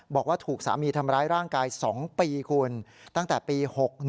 บอกว่าถูกสามีทำร้ายร่างกาย๒ปีคุณตั้งแต่ปี๖๑